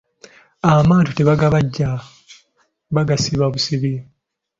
Amaato tebagabajja bagasiba busibi.